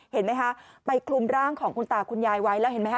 เห็นไหมคะไปคลุมร่างของคุณตาคุณยายไว้แล้วเห็นไหมค